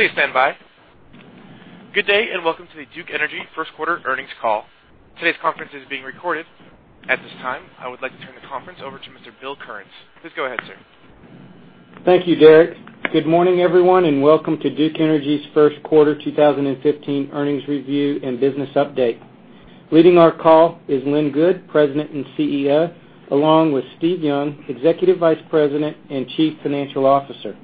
Please stand by. Good day, welcome to the Duke Energy first quarter earnings call. Today's conference is being recorded. At this time, I would like to turn the conference over to Mr. Bill Kearns. Please go ahead, sir. Thank you, Derek. Good morning, everyone, welcome to Duke Energy's first quarter 2015 earnings review and business update. Leading our call is Lynn Good, President and CEO, along with Steve Young, Executive Vice President and Chief Financial Officer.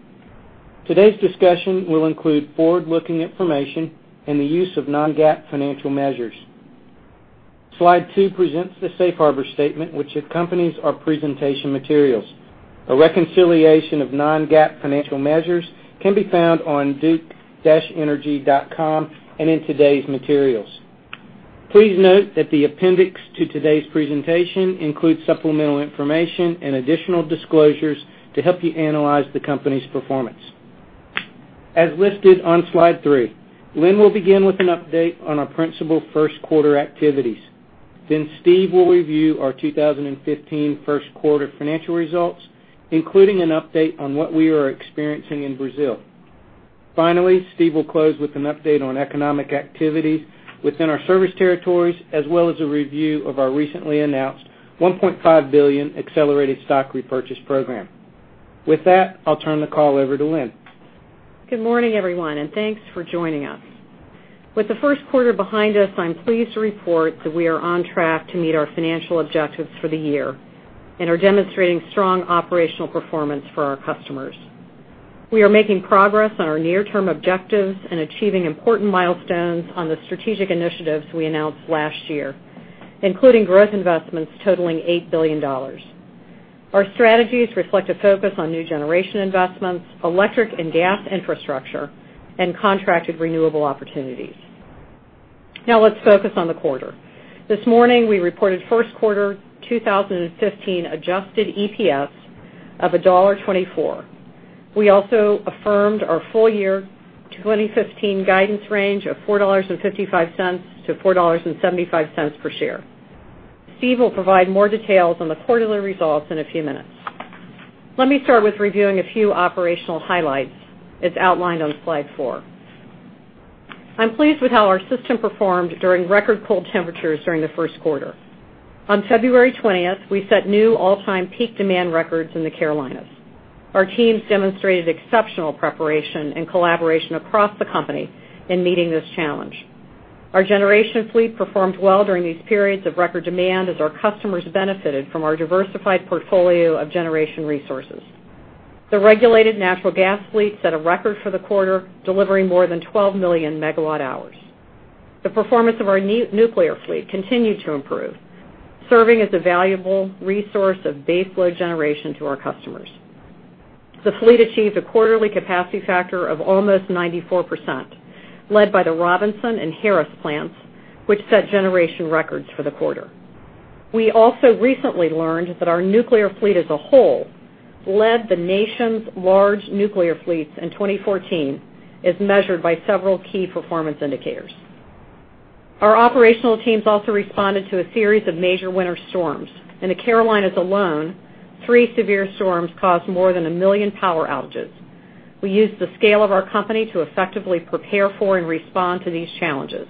Today's discussion will include forward-looking information and the use of non-GAAP financial measures. Slide two presents the safe harbor statement which accompanies our presentation materials. A reconciliation of non-GAAP financial measures can be found on duke-energy.com and in today's materials. Please note that the appendix to today's presentation includes supplemental information and additional disclosures to help you analyze the company's performance. As listed on slide three, Lynn will begin with an update on our principal first quarter activities. Steve will review our 2015 first quarter financial results, including an update on what we are experiencing in Brazil. Finally, Steve will close with an update on economic activity within our service territories, as well as a review of our recently announced $1.5 billion accelerated stock repurchase program. With that, I'll turn the call over to Lynn. Good morning, everyone, thanks for joining us. With the first quarter behind us, I'm pleased to report that we are on track to meet our financial objectives for the year and are demonstrating strong operational performance for our customers. We are making progress on our near-term objectives and achieving important milestones on the strategic initiatives we announced last year, including growth investments totaling $8 billion. Our strategies reflect a focus on new generation investments, electric and gas infrastructure, and contracted renewable opportunities. Now let's focus on the quarter. This morning, we reported first quarter 2015 adjusted EPS of $1.24. We also affirmed our full year 2015 guidance range of $4.55-$4.75 per share. Steve will provide more details on the quarterly results in a few minutes. Let me start with reviewing a few operational highlights as outlined on slide four. I'm pleased with how our system performed during record cold temperatures during the first quarter. On February 20th, we set new all-time peak demand records in the Carolinas. Our teams demonstrated exceptional preparation and collaboration across the company in meeting this challenge. Our generation fleet performed well during these periods of record demand as our customers benefited from our diversified portfolio of generation resources. The regulated natural gas fleet set a record for the quarter, delivering more than 12 million megawatt hours. The performance of our nuclear fleet continued to improve, serving as a valuable resource of base load generation to our customers. The fleet achieved a quarterly capacity factor of almost 94%, led by the Robinson and Harris plants, which set generation records for the quarter. We also recently learned that our nuclear fleet as a whole led the nation's large nuclear fleets in 2014, as measured by several key performance indicators. Our operational teams also responded to a series of major winter storms. In the Carolinas alone, three severe storms caused more than 1 million power outages. We used the scale of our company to effectively prepare for and respond to these challenges.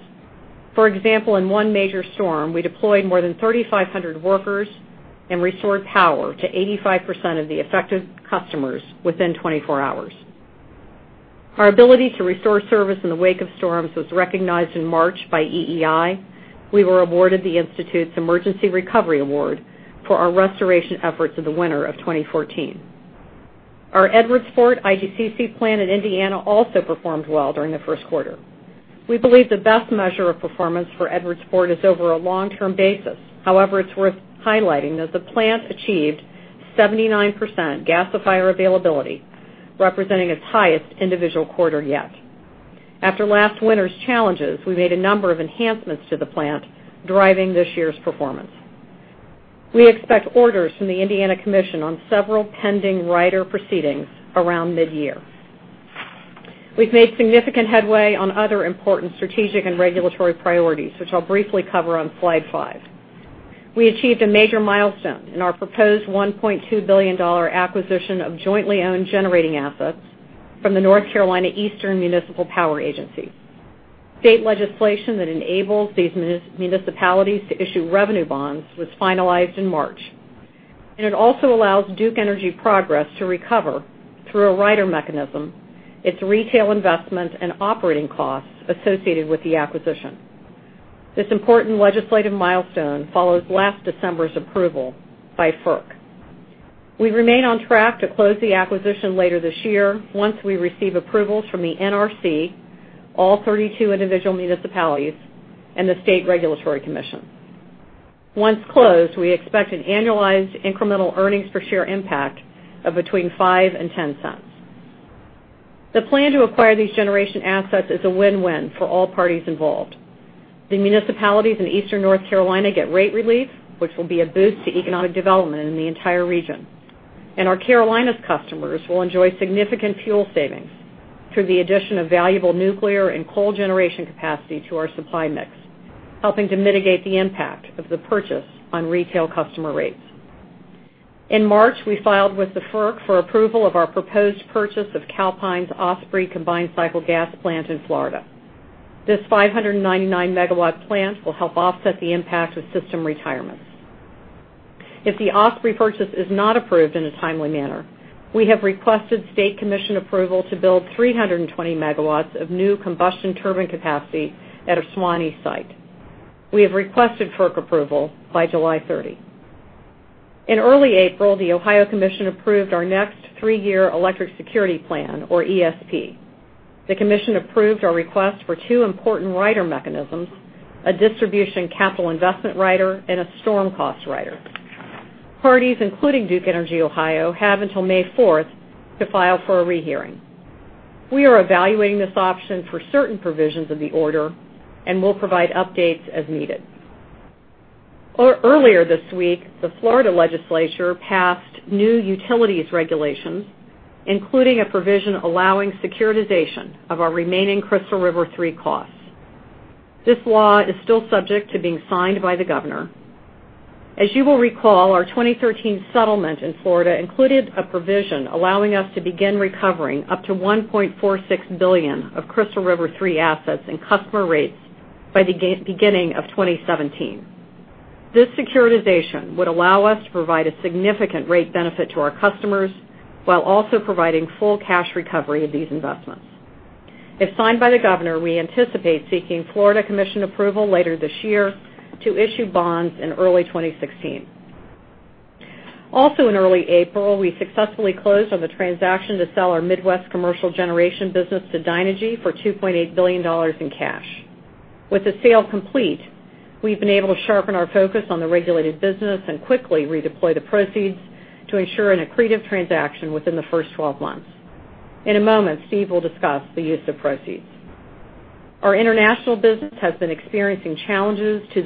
For example, in one major storm, we deployed more than 3,500 workers and restored power to 85% of the affected customers within 24 hours. Our ability to restore service in the wake of storms was recognized in March by EEI. We were awarded the institute's Emergency Recovery Award for our restoration efforts in the winter of 2014. Our Edwardsport IGCC plant in Indiana also performed well during the first quarter. We believe the best measure of performance for Edwardsport is over a long-term basis. However, it's worth highlighting that the plant achieved 79% gasifier availability, representing its highest individual quarter yet. After last winter's challenges, we made a number of enhancements to the plant, driving this year's performance. We expect orders from the Indiana Commission on several pending rider proceedings around mid-year. We've made significant headway on other important strategic and regulatory priorities, which I'll briefly cover on slide five. We achieved a major milestone in our proposed $1.2 billion acquisition of jointly owned generating assets from the North Carolina Eastern Municipal Power Agency. State legislation that enables these municipalities to issue revenue bonds was finalized in March. It also allows Duke Energy Progress to recover, through a rider mechanism, its retail investment and operating costs associated with the acquisition. This important legislative milestone follows last December's approval by FERC. We remain on track to close the acquisition later this year once we receive approvals from the NRC, all 32 individual municipalities, and the state regulatory commission. Once closed, we expect an annualized incremental earnings per share impact of between $0.05 and $0.10. The plan to acquire these generation assets is a win-win for all parties involved. The municipalities in eastern North Carolina get rate relief, which will be a boost to economic development in the entire region. Our Carolinas customers will enjoy significant fuel savings through the addition of valuable nuclear and coal generation capacity to our supply mix, helping to mitigate the impact of the purchase on retail customer rates. In March, we filed with the FERC for approval of our proposed purchase of Calpine's Osprey combined cycle gas plant in Florida. This 599-megawatt plant will help offset the impact of system retirements. If the Osprey purchase is not approved in a timely manner, we have requested state commission approval to build 320 megawatts of new combustion turbine capacity at our Suwannee site. We have requested FERC approval by July 30. In early April, the Ohio Commission approved our next three-year electric security plan, or ESP. The commission approved our request for two important rider mechanisms, a distribution capital investment rider, and a storm cost rider. Parties, including Duke Energy Ohio, have until May 4th to file for a rehearing. We are evaluating this option for certain provisions of the order and will provide updates as needed. Earlier this week, the Florida legislature passed new utilities regulations, including a provision allowing securitization of our remaining Crystal River 3 costs. This law is still subject to being signed by the governor. As you will recall, our 2013 settlement in Florida included a provision allowing us to begin recovering up to $1.46 billion of Crystal River 3 assets and customer rates by the beginning of 2017. This securitization would allow us to provide a significant rate benefit to our customers while also providing full cash recovery of these investments. If signed by the governor, we anticipate seeking Florida Commission approval later this year to issue bonds in early 2016. Also, in early April, we successfully closed on the transaction to sell our Midwest Commercial Generation Business to Dynegy for $2.8 billion in cash. With the sale complete, we've been able to sharpen our focus on the regulated business and quickly redeploy the proceeds to ensure an accretive transaction within the first 12 months. In a moment, Steve will discuss the use of proceeds. Our international business has been experiencing challenges due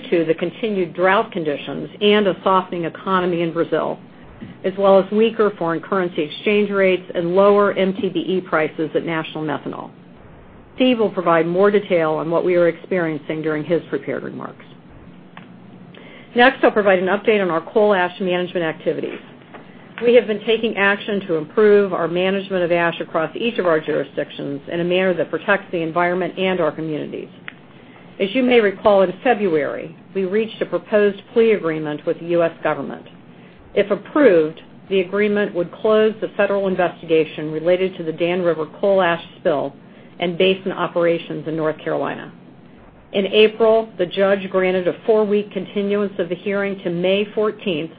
to the continued drought conditions and a softening economy in Brazil, as well as weaker foreign currency exchange rates and lower MTBE prices at National Methanol. Steve will provide more detail on what we are experiencing during his prepared remarks. Next, I'll provide an update on our coal ash management activities. We have been taking action to improve our management of ash across each of our jurisdictions in a manner that protects the environment and our communities. As you may recall, in February, we reached a proposed plea agreement with the U.S. government. If approved, the agreement would close the federal investigation related to the Dan River coal ash spill and basin operations in North Carolina. In April, the judge granted a four-week continuance of the hearing to May 14th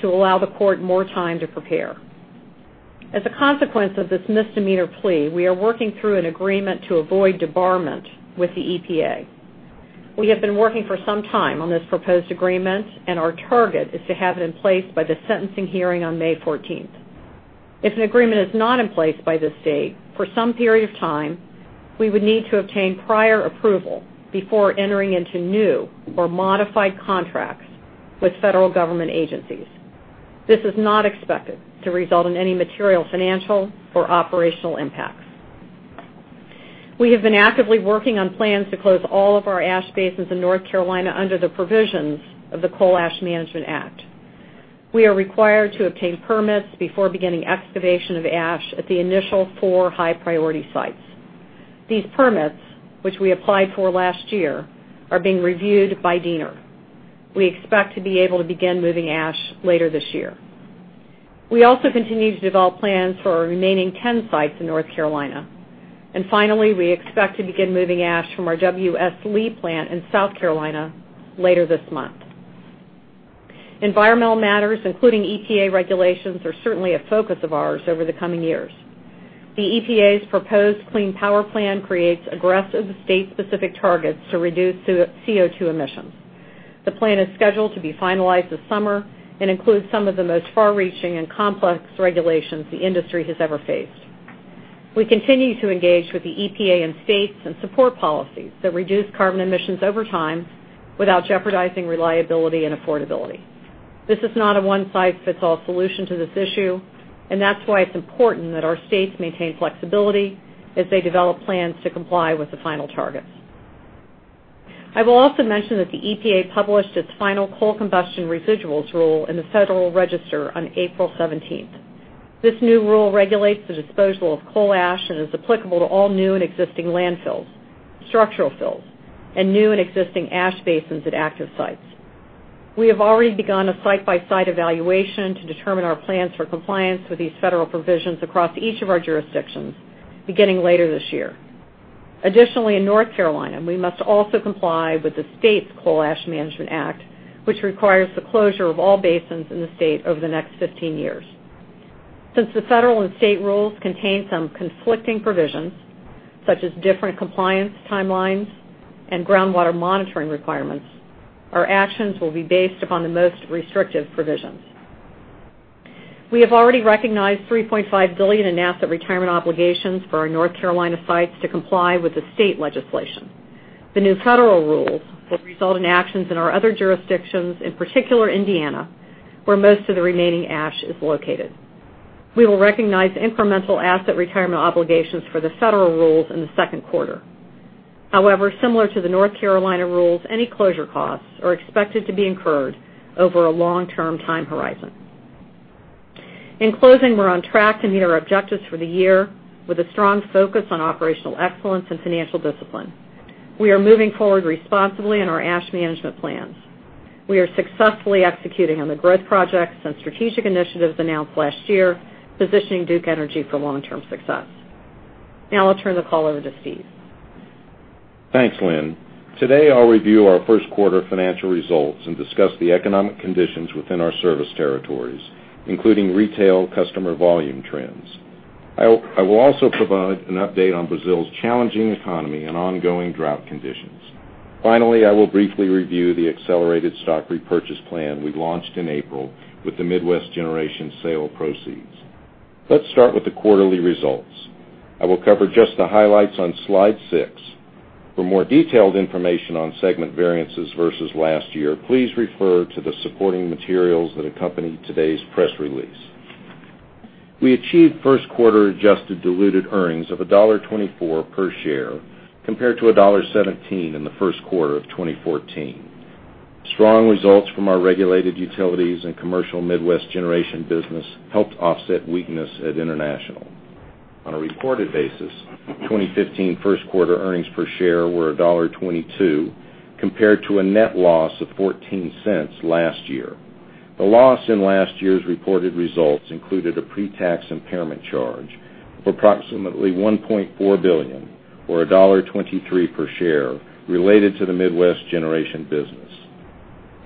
to allow the court more time to prepare. As a consequence of this misdemeanor plea, we are working through an agreement to avoid debarment with the EPA. We have been working for some time on this proposed agreement, and our target is to have it in place by the sentencing hearing on May 14th. If an agreement is not in place by this date, for some period of time, we would need to obtain prior approval before entering into new or modified contracts with federal government agencies. This is not expected to result in any material financial or operational impacts. We have been actively working on plans to close all of our ash basins in North Carolina under the provisions of the Coal Ash Management Act. We are required to obtain permits before beginning excavation of ash at the initial four high-priority sites. These permits, which we applied for last year, are being reviewed by DENR. We expect to be able to begin moving ash later this year. We also continue to develop plans for our remaining 10 sites in North Carolina. Finally, we expect to begin moving ash from our W.S. Lee plant in South Carolina later this month. Environmental matters, including EPA regulations, are certainly a focus of ours over the coming years. The EPA's proposed Clean Power Plan creates aggressive state-specific targets to reduce CO2 emissions. The plan is scheduled to be finalized this summer and includes some of the most far-reaching and complex regulations the industry has ever faced. We continue to engage with the EPA and states and support policies that reduce carbon emissions over time without jeopardizing reliability and affordability. This is not a one-size-fits-all solution to this issue, that's why it's important that our states maintain flexibility as they develop plans to comply with the final targets. I will also mention that the EPA published its final coal combustion residuals rule in the Federal Register on April 17th. This new rule regulates the disposal of coal ash and is applicable to all new and existing landfills, structural fills, and new and existing ash basins at active sites. We have already begun a site-by-site evaluation to determine our plans for compliance with these federal provisions across each of our jurisdictions beginning later this year. Additionally, in North Carolina, we must also comply with the state's Coal Ash Management Act, which requires the closure of all basins in the state over the next 15 years. Since the federal and state rules contain some conflicting provisions, such as different compliance timelines and groundwater monitoring requirements, our actions will be based upon the most restrictive provisions. We have already recognized $3.5 billion in asset retirement obligations for our North Carolina sites to comply with the state legislation. The new federal rule will result in actions in our other jurisdictions, in particular Indiana, where most of the remaining ash is located. We will recognize incremental asset retirement obligations for the federal rules in the second quarter. However, similar to the North Carolina rules, any closure costs are expected to be incurred over a long-term time horizon. In closing, we're on track to meet our objectives for the year with a strong focus on operational excellence and financial discipline. We are moving forward responsibly in our ash management plans. We are successfully executing on the growth projects and strategic initiatives announced last year, positioning Duke Energy for long-term success. Now I'll turn the call over to Steve. Thanks, Lynn. Today, I'll review our first quarter financial results and discuss the economic conditions within our service territories, including retail customer volume trends. I will also provide an update on Brazil's challenging economy and ongoing drought conditions. Finally, I will briefly review the accelerated stock repurchase plan we launched in April with the Midwest Generation sale proceeds. Let's start with the quarterly results. I will cover just the highlights on slide six. For more detailed information on segment variances versus last year, please refer to the supporting materials that accompany today's press release. We achieved first quarter adjusted diluted earnings of $1.24 per share, compared to $1.17 in the first quarter of 2014. Strong results from our regulated utilities and commercial Midwest Generation business helped offset weakness at International. On a reported basis, 2015 first quarter earnings per share were $1.22, compared to a net loss of $0.14 last year. The loss in last year's reported results included a pre-tax impairment charge of approximately $1.4 billion, or $1.23 per share, related to the Midwest Generation Business.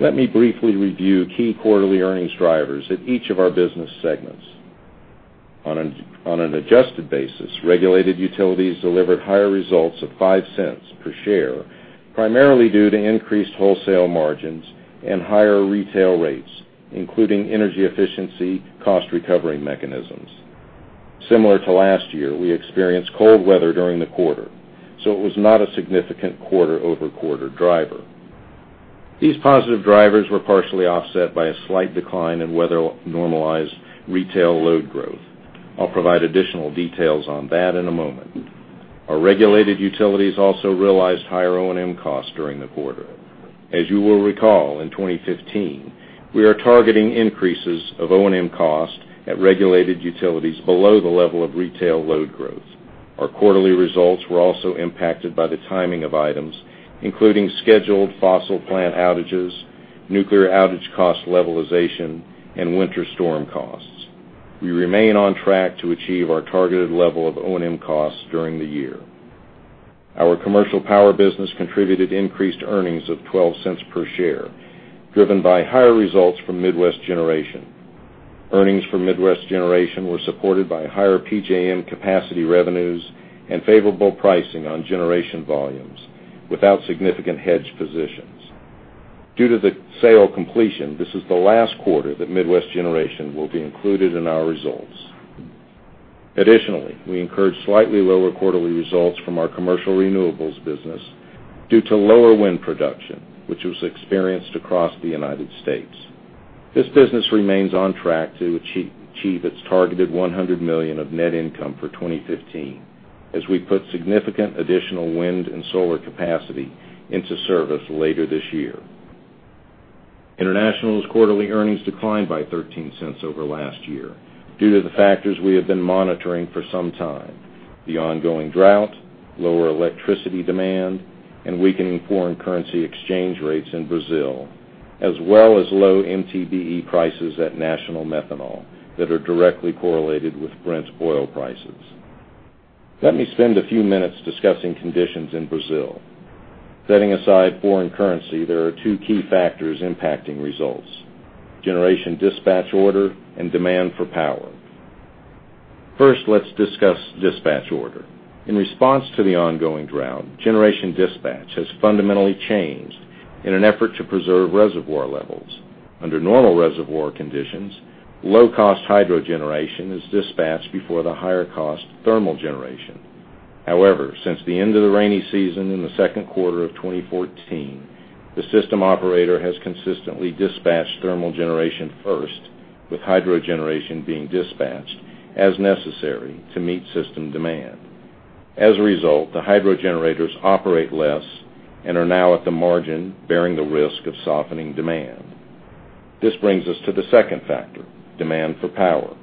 Let me briefly review key quarterly earnings drivers at each of our business segments. On an adjusted basis, regulated utilities delivered higher results of $0.05 per share, primarily due to increased wholesale margins and higher retail rates, including energy efficiency cost recovery mechanisms. Similar to last year, we experienced cold weather during the quarter, it was not a significant quarter-over-quarter driver. These positive drivers were partially offset by a slight decline in weather-normalized retail load growth. I will provide additional details on that in a moment. Our regulated utilities also realized higher O&M costs during the quarter. As you will recall, in 2015, we are targeting increases of O&M cost at regulated utilities below the level of retail load growth. Our quarterly results were also impacted by the timing of items, including scheduled fossil plant outages, nuclear outage cost levelization, and winter storm costs. We remain on track to achieve our targeted level of O&M costs during the year. Our commercial power business contributed increased earnings of $0.12 per share, driven by higher results from Midwest Generation. Earnings from Midwest Generation were supported by higher PJM capacity revenues and favorable pricing on generation volumes without significant hedge positions. Due to the sale completion, this is the last quarter that Midwest Generation will be included in our results. Additionally, we incurred slightly lower quarterly results from our commercial renewables business due to lower wind production, which was experienced across the U.S.. This business remains on track to achieve its targeted $100 million of net income for 2015 as we put significant additional wind and solar capacity into service later this year. International's quarterly earnings declined by $0.13 over last year due to the factors we have been monitoring for some time: the ongoing drought, lower electricity demand, and weakening foreign currency exchange rates in Brazil, as well as low MTBE prices at National Methanol that are directly correlated with Brent oil prices. Let me spend a few minutes discussing conditions in Brazil. Setting aside foreign currency, there are two key factors impacting results: generation dispatch order and demand for power. First, let us discuss dispatch order. In response to the ongoing drought, generation dispatch has fundamentally changed in an effort to preserve reservoir levels. Under normal reservoir conditions, low-cost hydro generation is dispatched before the higher cost thermal generation. However, since the end of the rainy season in the second quarter of 2014, the system operator has consistently dispatched thermal generation first, with hydro generation being dispatched as necessary to meet system demand. As a result, the hydro generators operate less and are now at the margin, bearing the risk of softening demand. This brings us to the second factor, demand for power.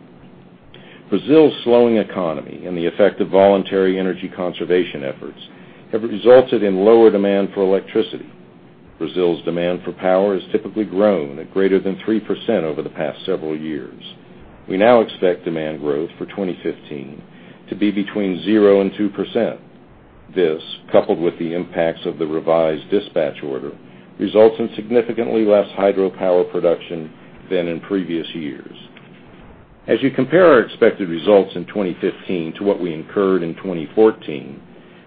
Brazil's slowing economy and the effect of voluntary energy conservation efforts have resulted in lower demand for electricity. Brazil's demand for power has typically grown at greater than 3% over the past several years. We now expect demand growth for 2015 to be between 0% and 2%. This, coupled with the impacts of the revised dispatch order, results in significantly less hydropower production than in previous years. As you compare our expected results in 2015 to what we incurred in 2014,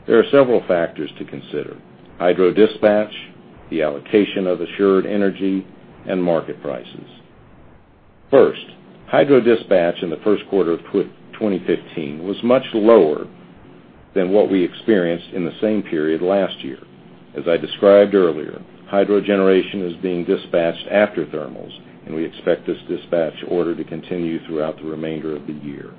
there are several factors to consider. Hydro dispatch, the allocation of assured energy, and market prices. First, hydro dispatch in the first quarter of 2015 was much lower than what we experienced in the same period last year. As I described earlier, hydro generation is being dispatched after thermals, we expect this dispatch order to continue throughout the remainder of the year.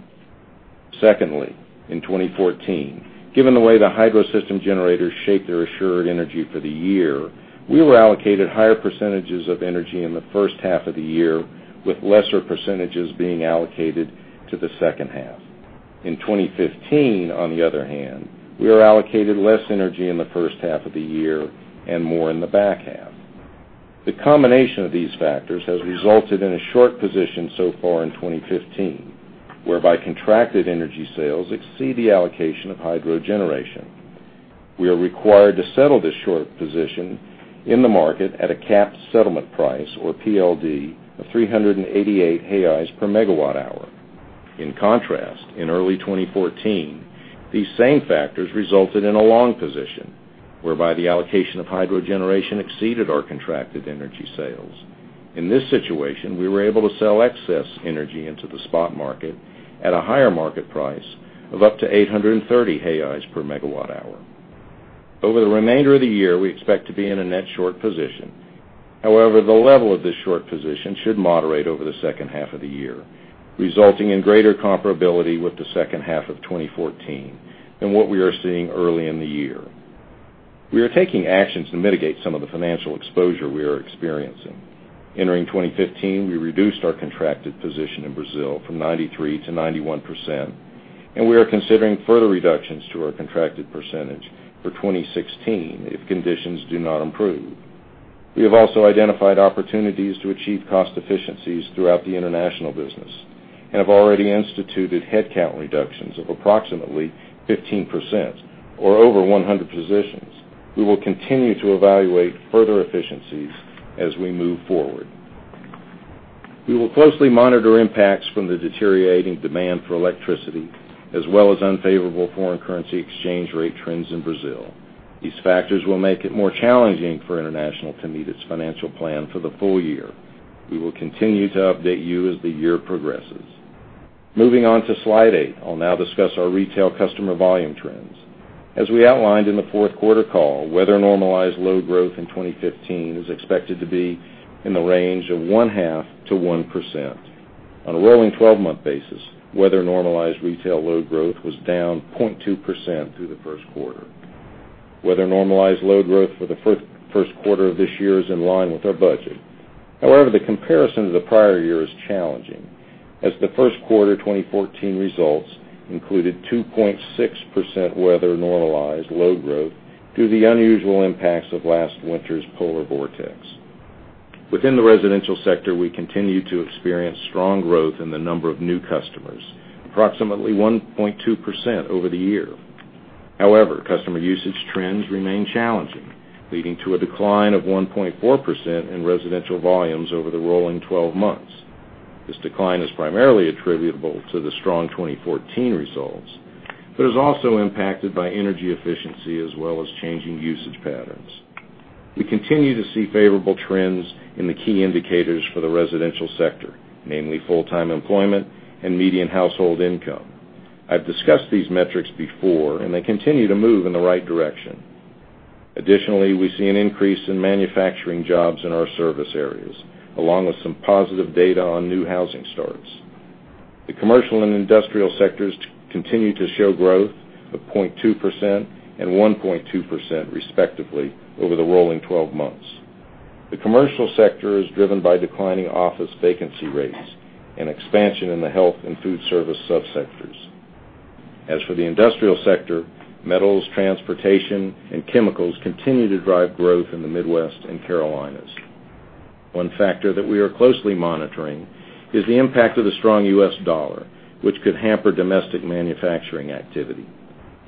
In 2014, given the way the hydro system generators shaped their assured energy for the year, we were allocated higher percentages of energy in the first half of the year, with lesser percentages being allocated to the second half. In 2015, on the other hand, we are allocated less energy in the first half of the year and more in the back half. The combination of these factors has resulted in a short position so far in 2015, whereby contracted energy sales exceed the allocation of hydro generation. We are required to settle this short position in the market at a capped settlement price or PLD of 388 reais per megawatt hour. In contrast, in early 2014, these same factors resulted in a long position, whereby the allocation of hydro generation exceeded our contracted energy sales. In this situation, we were able to sell excess energy into the spot market at a higher market price of up to 830 per megawatt hour. Over the remainder of the year, we expect to be in a net short position. The level of this short position should moderate over the second half of the year, resulting in greater comparability with the second half of 2014 and what we are seeing early in the year. We are taking actions to mitigate some of the financial exposure we are experiencing. Entering 2015, we reduced our contracted position in Brazil from 93% to 91%, and we are considering further reductions to our contracted percentage for 2016 if conditions do not improve. We have also identified opportunities to achieve cost efficiencies throughout the international business and have already instituted headcount reductions of approximately 15%, or over 100 positions. We will continue to evaluate further efficiencies as we move forward. We will closely monitor impacts from the deteriorating demand for electricity, as well as unfavorable foreign currency exchange rate trends in Brazil. These factors will make it more challenging for international to meet its financial plan for the full year. We will continue to update you as the year progresses. Moving on to slide eight, I'll now discuss our retail customer volume trends. As we outlined in the fourth quarter call, weather-normalized load growth in 2015 is expected to be in the range of 0.5% to 1%. On a rolling 12-month basis, weather-normalized retail load growth was down 0.2% through the first quarter. Weather-normalized load growth for the first quarter of this year is in line with our budget. The comparison to the prior year is challenging, as the first quarter 2014 results included 2.6% weather-normalized load growth due to the unusual impacts of last winter's polar vortex. Within the residential sector, we continue to experience strong growth in the number of new customers, approximately 1.2% over the year. Customer usage trends remain challenging, leading to a decline of 1.4% in residential volumes over the rolling 12 months. This decline is primarily attributable to the strong 2014 results, but is also impacted by energy efficiency as well as changing usage patterns. We continue to see favorable trends in the key indicators for the residential sector, namely full-time employment and median household income. I've discussed these metrics before, and they continue to move in the right direction. Additionally, we see an increase in manufacturing jobs in our service areas, along with some positive data on new housing starts. The commercial and industrial sectors continue to show growth of 0.2% and 1.2% respectively over the rolling 12 months. The commercial sector is driven by declining office vacancy rates and expansion in the health and food service subsectors. As for the industrial sector, metals, transportation, and chemicals continue to drive growth in the Midwest and Carolinas. One factor that we are closely monitoring is the impact of the strong U.S. dollar, which could hamper domestic manufacturing activity.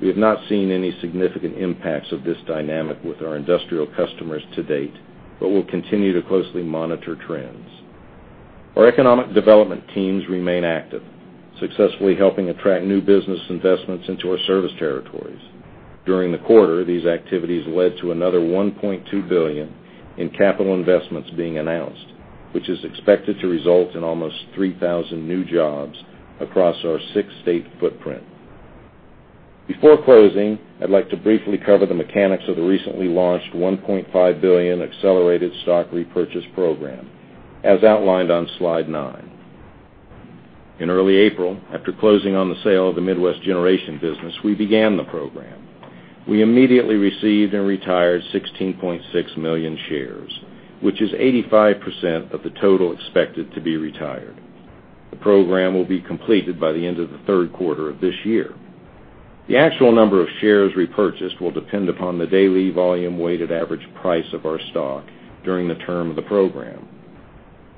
We have not seen any significant impacts of this dynamic with our industrial customers to date, but we'll continue to closely monitor trends. Our economic development teams remain active, successfully helping attract new business investments into our service territories. During the quarter, these activities led to another $1.2 billion in capital investments being announced, which is expected to result in almost 3,000 new jobs across our six-state footprint. Before closing, I'd like to briefly cover the mechanics of the recently launched $1.5 billion accelerated stock repurchase program, as outlined on slide nine. In early April, after closing on the sale of the Midwest Commercial Generation Business, we began the program. We immediately received and retired 16.6 million shares, which is 85% of the total expected to be retired. The program will be completed by the end of the third quarter of this year. The actual number of shares repurchased will depend upon the daily volume weighted average price of our stock during the term of the program.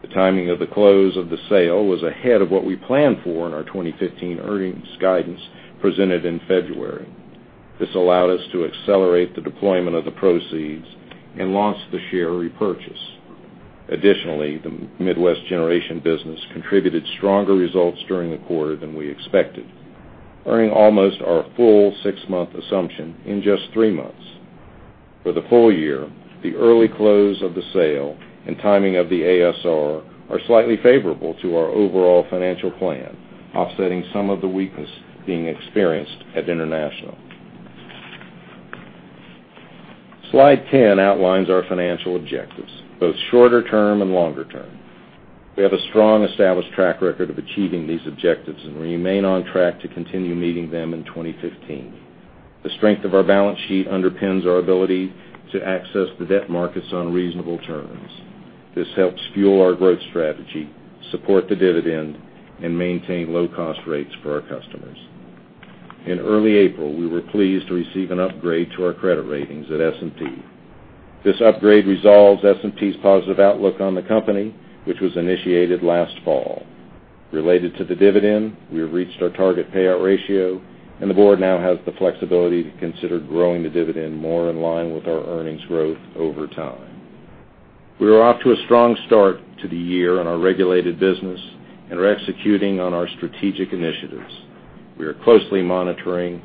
The timing of the close of the sale was ahead of what we planned for in our 2015 earnings guidance presented in February. This allowed us to accelerate the deployment of the proceeds and launch the share repurchase. Additionally, the Midwest Commercial Generation Business contributed stronger results during the quarter than we expected, earning almost our full six-month assumption in just three months. For the full year, the early close of the sale and timing of the ASR are slightly favorable to our overall financial plan, offsetting some of the weakness being experienced at international. Slide 10 outlines our financial objectives, both shorter term and longer term. We have a strong established track record of achieving these objectives, and we remain on track to continue meeting them in 2015. The strength of our balance sheet underpins our ability to access the debt markets on reasonable terms. This helps fuel our growth strategy, support the dividend, and maintain low-cost rates for our customers. In early April, we were pleased to receive an upgrade to our credit ratings at S&P. This upgrade resolves S&P's positive outlook on the company, which was initiated last fall. Related to the dividend, we have reached our target payout ratio, and the board now has the flexibility to consider growing the dividend more in line with our earnings growth over time. We are off to a strong start to the year in our regulated business and are executing on our strategic initiatives. We are closely monitoring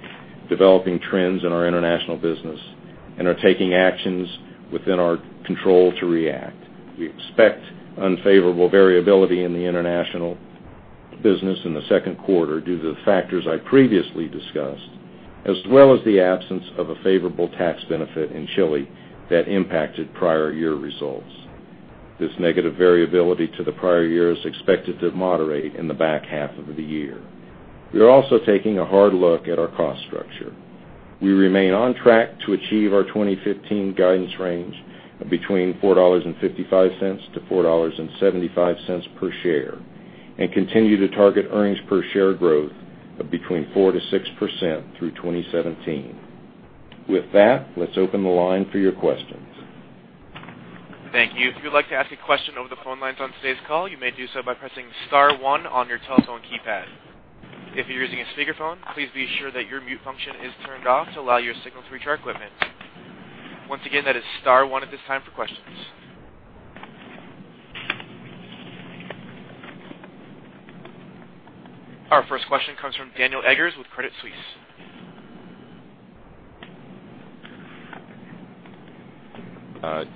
developing trends in our international business and are taking actions within our control to react. We expect unfavorable variability in the international business in the second quarter due to the factors I previously discussed, as well as the absence of a favorable tax benefit in Chile that impacted prior year results. This negative variability to the prior year is expected to moderate in the back half of the year. We are also taking a hard look at our cost structure. We remain on track to achieve our 2015 guidance range of between $4.55-$4.75 per share and continue to target earnings per share growth of between 4%-6% through 2017. With that, let's open the line for your questions. Thank you. If you'd like to ask a question over the phone lines on today's call, you may do so by pressing * one on your telephone keypad. If you're using a speakerphone, please be sure that your mute function is turned off to allow your signal through to our equipment. Once again, that is * one at this time for questions. Our first question comes from Daniel Eggers with Credit Suisse.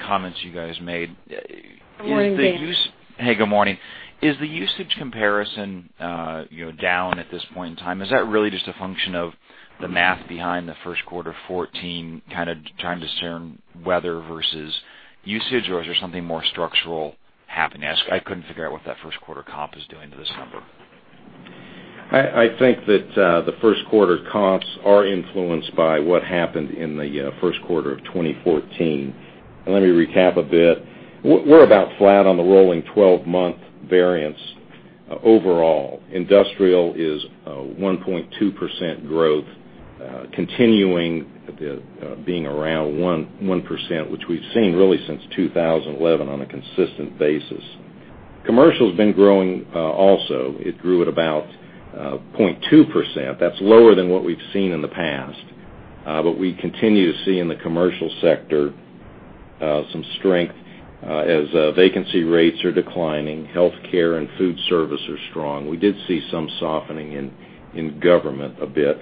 Comments you guys made. Good morning, Dan. Hey, good morning. Is the usage comparison down at this point in time? Is that really just a function of the math behind the first quarter 2014, kind of trying to discern weather versus usage or is there something more structural happening? I couldn't figure out what that first quarter comp is doing to this number. I think that the first quarter comps are influenced by what happened in the first quarter of 2014. Let me recap a bit. We're about flat on the rolling 12-month variance overall. Industrial is a 1.2% growth, continuing being around 1%, which we've seen really since 2011 on a consistent basis. Commercial's been growing, also. It grew at about 0.2%. That's lower than what we've seen in the past. We continue to see in the commercial sector some strength as vacancy rates are declining. Healthcare and food service are strong. We did see some softening in government a bit.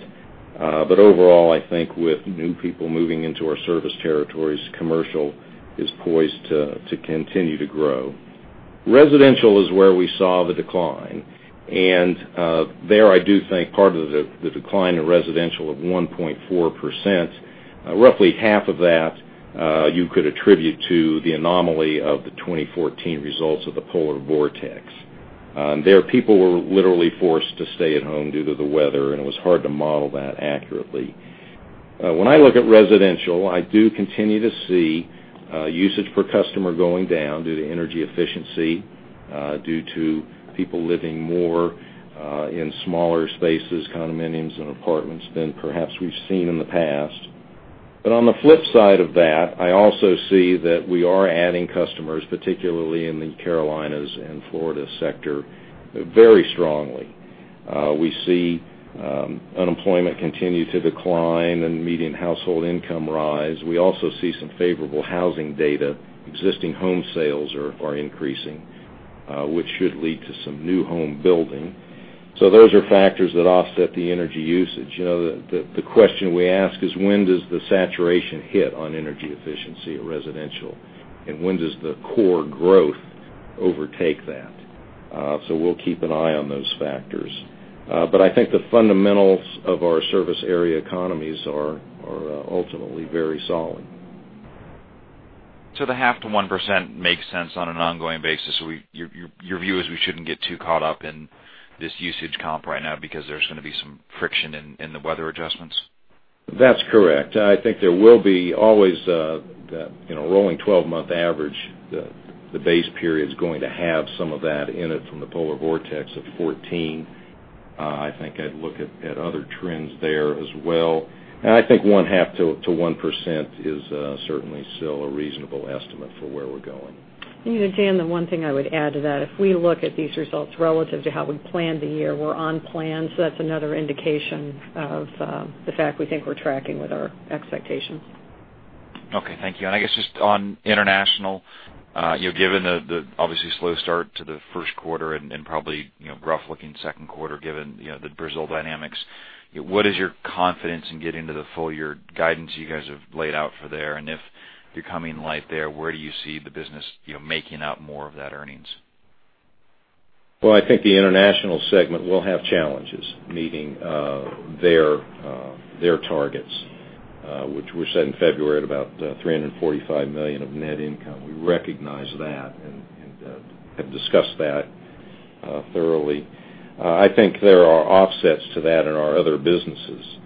Overall, I think with new people moving into our service territories, commercial is poised to continue to grow. Residential is where we saw the decline. There I do think part of the decline in residential of 1.4%, roughly half of that you could attribute to the anomaly of the 2014 results of the polar vortex. There, people were literally forced to stay at home due to the weather, and it was hard to model that accurately. When I look at residential, I do continue to see usage per customer going down due to energy efficiency, due to people living more in smaller spaces, condominiums, and apartments than perhaps we've seen in the past. On the flip side of that, I also see that we are adding customers, particularly in the Carolinas and Florida sector, very strongly. We see unemployment continue to decline and median household income rise. We also see some favorable housing data. Existing home sales are increasing, which should lead to some new home building. Those are factors that offset the energy usage. The question we ask is when does the saturation hit on energy efficiency residential, when does the core growth overtake that? We'll keep an eye on those factors. I think the fundamentals of our service area economies are ultimately very solid. The half to 1% makes sense on an ongoing basis. Your view is we shouldn't get too caught up in this usage comp right now because there's going to be some friction in the weather adjustments? That's correct. I think there will be always that rolling 12-month average. The base period's going to have some of that in it from the polar vortex of 2014. I think I'd look at other trends there as well. I think one half to 1% is certainly still a reasonable estimate for where we're going. Dan, the one thing I would add to that, if we look at these results relative to how we planned the year, we're on plan. That's another indication of the fact we think we're tracking with our expectations. Okay, thank you. I guess just on international, given the obviously slow start to the first quarter and probably rough-looking second quarter given the Brazil dynamics, what is your confidence in getting to the full-year guidance you guys have laid out for there? If you're coming light there, where do you see the business making up more of that earnings? I think the international segment will have challenges meeting their targets, which were set in February at about $345 million of net income. We recognize that and have discussed that thoroughly. I think there are offsets to that in our other businesses.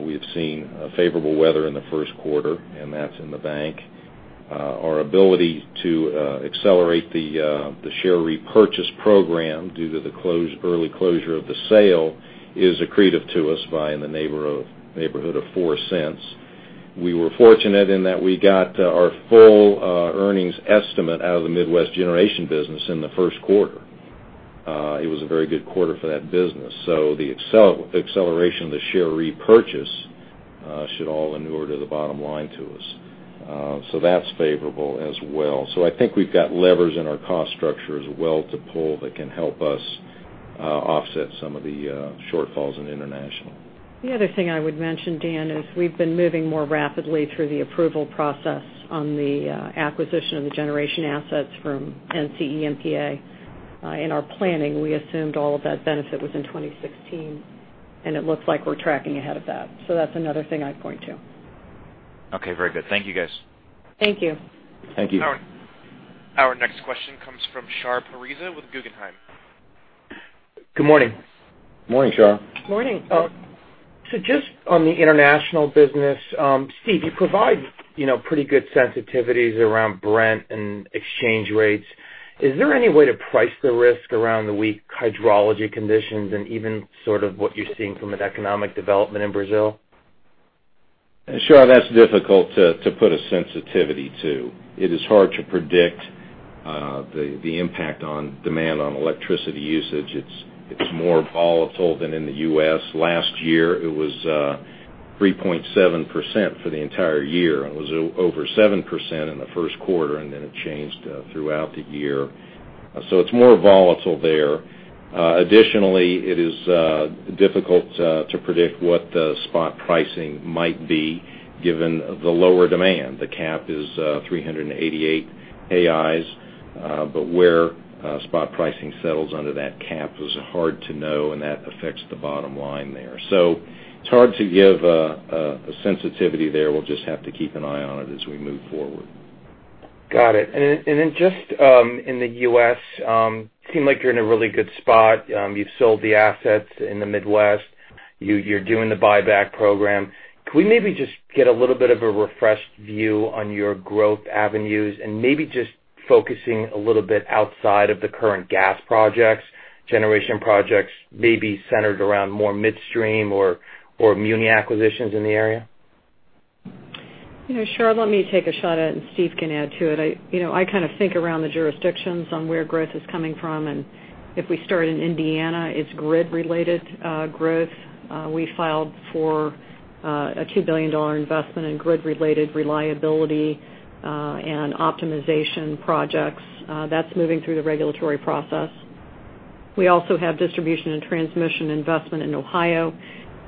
We have seen favorable weather in the first quarter, and that's in the bank. Our ability to accelerate the share repurchase program due to the early closure of the sale is accretive to us by, in the neighborhood of $0.04. We were fortunate in that we got our full earnings estimate out of the Midwest Commercial Generation Business in the first quarter. It was a very good quarter for that business. The acceleration of the share repurchase should all inure to the bottom line to us. That's favorable as well. I think we've got levers in our cost structure as well to pull that can help us offset some of the shortfalls in international. The other thing I would mention, Dan, is we've been moving more rapidly through the approval process on the acquisition of the generation assets from NCEMPA. In our planning, we assumed all of that benefit was in 2016, and it looks like we're tracking ahead of that. That's another thing I'd point to. Very good. Thank you, guys. Thank you. Thank you. Our next question comes from Shar Pourreza with Guggenheim. Good morning. Morning, Shar. Morning. Just on the international business, Steve, you provide pretty good sensitivities around Brent and exchange rates. Is there any way to price the risk around the weak hydrology conditions and even sort of what you're seeing from an economic development in Brazil? Shar, that's difficult to put a sensitivity to. It is hard to predict the impact on demand on electricity usage. It's more volatile than in the U.S. Last year, it was 3.7% for the entire year. It was over 7% in the first quarter, and then it changed throughout the year. It's more volatile there. Additionally, it is difficult to predict what the spot pricing might be given the lower demand. The cap is 388 reais, but where spot pricing settles under that cap is hard to know, and that affects the bottom line there. It's hard to give a sensitivity there. We'll just have to keep an eye on it as we move forward. Got it. Then just in the U.S., seem like you're in a really good spot. You've sold the assets in the Midwest. You're doing the buyback program. Could we maybe just get a little bit of a refreshed view on your growth avenues and maybe just focusing a little bit outside of the current gas projects, generation projects, maybe centered around more midstream or muni acquisitions in the area? Shar, let me take a shot at it, and Steve can add to it. I kind of think around the jurisdictions on where growth is coming from. If we start in Indiana, it's grid-related growth. We filed for a $2 billion investment in grid-related reliability and optimization projects. That's moving through the regulatory process. We also have distribution and transmission investment in Ohio.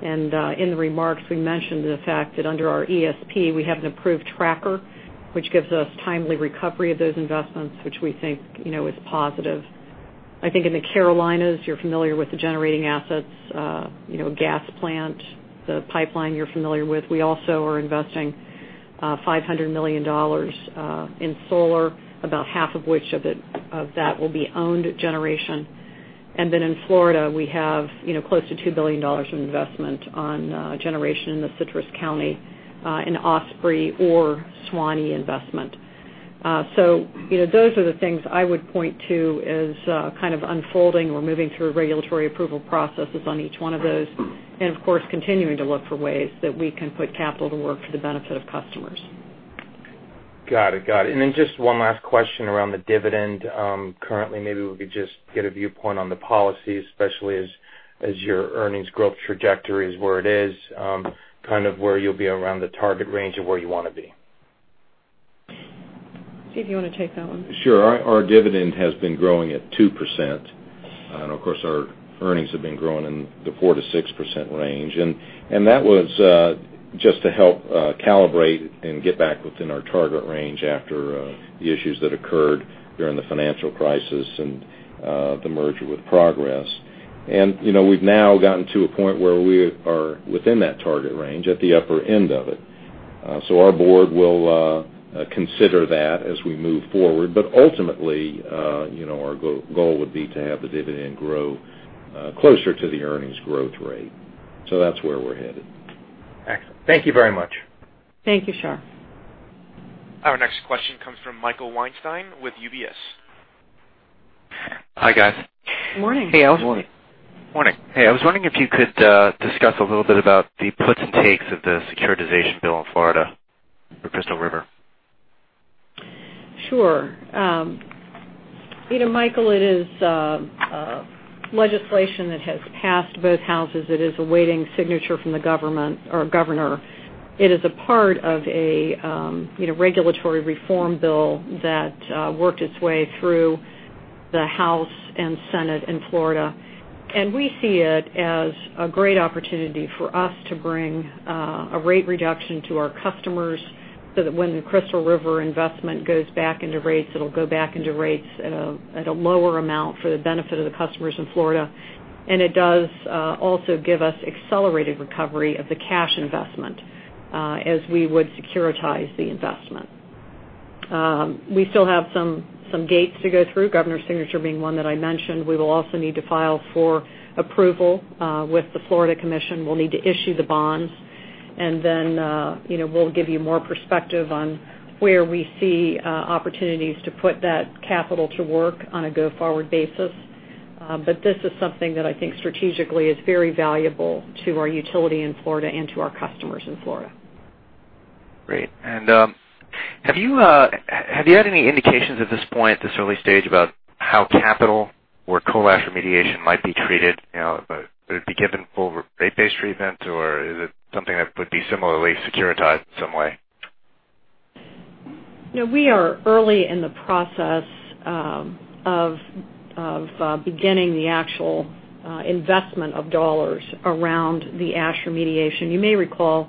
In the remarks, we mentioned the fact that under our ESP, we have an approved tracker, which gives us timely recovery of those investments, which we think is positive. I think in the Carolinas, you're familiar with the generating assets, gas plant, the pipeline you're familiar with. We also are investing $500 million in solar, about half of which of that will be owned generation. In Florida, we have close to $2 billion in investment on generation in the Citrus County in Osprey or Suwannee investment. Those are the things I would point to as kind of unfolding or moving through regulatory approval processes on each one of those. Of course, continuing to look for ways that we can put capital to work for the benefit of customers. Got it. Just one last question around the dividend. Currently, maybe we could just get a viewpoint on the policy, especially as your earnings growth trajectory is where it is, kind of where you'll be around the target range of where you want to be. Steve, you want to take that one? Sure. Our dividend has been growing at 2%. Of course, our earnings have been growing in the 4% to 6% range. That was just to help calibrate and get back within our target range after the issues that occurred during the financial crisis and the merger with Progress. We've now gotten to a point where we are within that target range at the upper end of it. Our board will consider that as we move forward. Ultimately, our goal would be to have the dividend grow closer to the earnings growth rate. That's where we're headed. Excellent. Thank you very much. Thank you, Shar. Our next question comes from Michael Weinstein with UBS. Hi, guys. Morning. Morning. Morning. Hey, I was wondering if you could discuss a little bit about the puts and takes of the securitization bill in Florida for Crystal River. Sure. Michael, it is legislation that has passed both houses. It is awaiting signature from the governor. It is a part of a regulatory reform bill that worked its way through the House and Senate in Florida. We see it as a great opportunity for us to bring a rate reduction to our customers so that when the Crystal River investment goes back into rates, it'll go back into rates at a lower amount for the benefit of the customers in Florida. It does also give us accelerated recovery of the cash investment as we would securitize the investment. We still have some gates to go through, governor's signature being one that I mentioned. We will also need to file for approval with the Florida Commission. We'll need to issue the bonds, then we'll give you more perspective on where we see opportunities to put that capital to work on a go-forward basis. This is something that I think strategically is very valuable to our utility in Florida and to our customers in Florida. Great. Have you had any indications at this point, this early stage, about how capital or coal ash remediation might be treated? Would it be given full rate-based treatment, or is it something that would be similarly securitized in some way? We are early in the process of beginning the actual investment of dollars around the ash remediation. You may recall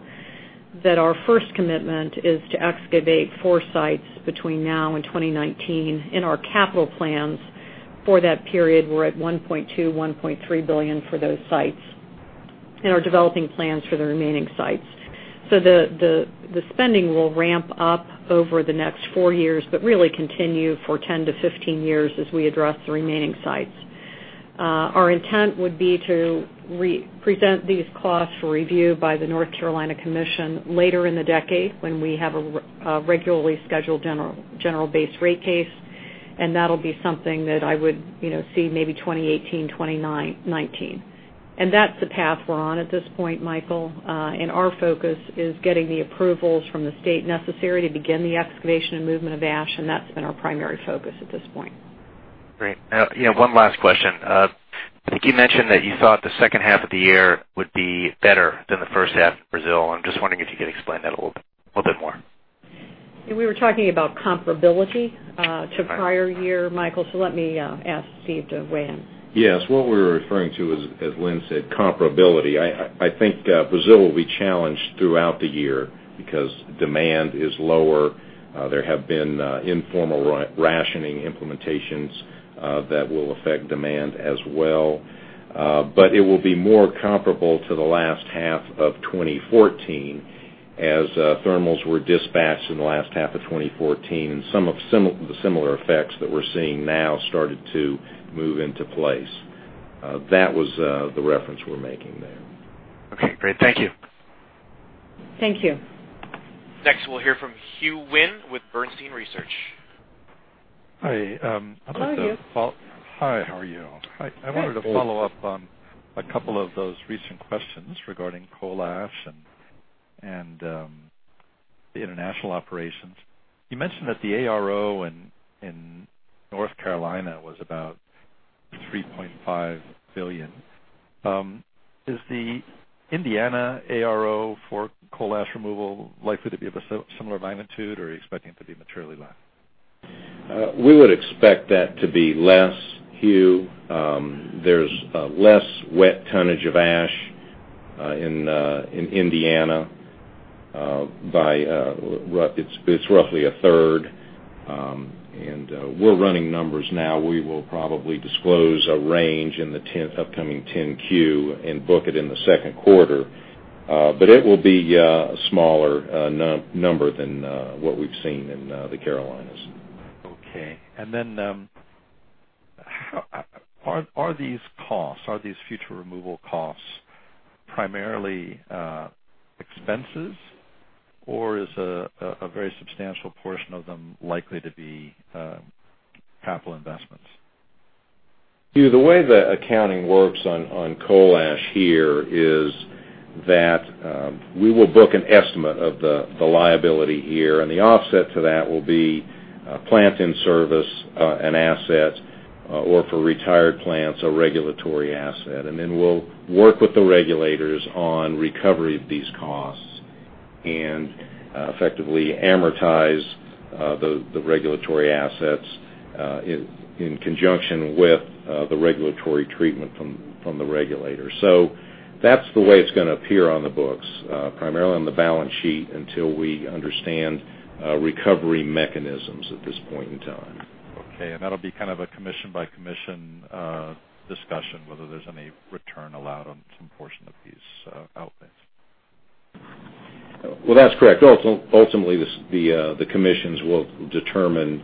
that our first commitment is to excavate four sites between now and 2019. In our capital plans for that period, we're at $1.2 billion, $1.3 billion for those sites, and are developing plans for the remaining sites. The spending will ramp up over the next four years, but really continue for 10 to 15 years as we address the remaining sites. Our intent would be to present these costs for review by the North Carolina Utilities Commission later in the decade when we have a regularly scheduled general base rate case, that'll be something that I would see maybe 2018, 2019. That's the path we're on at this point, Michael. Our focus is getting the approvals from the state necessary to begin the excavation and movement of ash, and that's been our primary focus at this point. Great. One last question. I think you mentioned that you thought the second half of the year would be better than the first half in Brazil, and I'm just wondering if you could explain that a little bit more. We were talking about comparability to prior year, Michael, so let me ask Steve to weigh in. Yes. What we were referring to is, as Lynn said, comparability. I think Brazil will be challenged throughout the year because demand is lower. There have been informal rationing implementations that will affect demand as well. It will be more comparable to the last half of 2014 as thermals were dispatched in the last half of 2014 and some of the similar effects that we're seeing now started to move into place. That was the reference we're making there. Okay, great. Thank you. Thank you. Next, we'll hear from Hugh Wynne with Bernstein Research. Hi. Hello, Hugh. Hi, how are you? Great. I wanted to follow up on a couple of those recent questions regarding coal ash and the international operations. You mentioned that the ARO in North Carolina was about $3.5 billion. Is the Indiana ARO for coal ash removal likely to be of a similar magnitude, or are you expecting it to be materially less? We would expect that to be less, Hugh. There's less wet tonnage of ash in Indiana. It's roughly a third. We're running numbers now. We will probably disclose a range in the upcoming 10-Q and book it in the second quarter. It will be a smaller number than what we've seen in the Carolinas. Okay. Are these future removal costs primarily expenses, or is a very substantial portion of them likely to be capital investments? Hugh, the way the accounting works on coal ash here is that we will book an estimate of the liability here, and the offset to that will be a plant in service, an asset, or for retired plants, a regulatory asset. We'll work with the regulators on recovery of these costs and effectively amortize the regulatory assets in conjunction with the regulatory treatment from the regulators. That's the way it's going to appear on the books, primarily on the balance sheet, until we understand recovery mechanisms at this point in time. Okay, that'll be kind of a commission by commission discussion, whether there's any return allowed on some portion of these outlays. Well, that's correct. Ultimately, the commissions will determine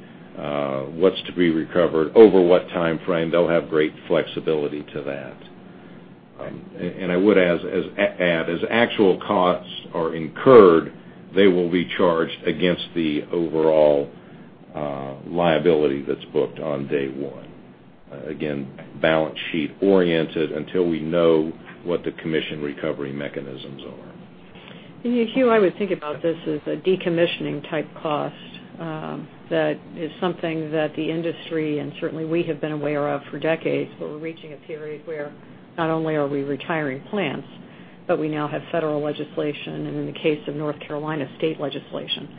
what's to be recovered over what time frame. They'll have great flexibility to that. I would add, as actual costs are incurred, they will be charged against the overall liability that's booked on day one. Again, balance sheet oriented until we know what the commission recovery mechanisms are. Hugh, I would think about this as a decommissioning type cost. That is something that the industry, and certainly we have been aware of for decades, but we're reaching a period where not only are we retiring plants. We now have federal legislation, and in the case of North Carolina, state legislation.